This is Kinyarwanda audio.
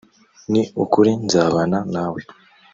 “Ni ukuri nzabana nawe